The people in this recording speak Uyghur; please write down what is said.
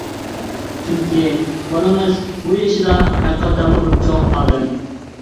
چۈنكى، بالىڭىز بۇ يېشىدا ھەقىقەتەنمۇ بىر چوڭ ئادەم.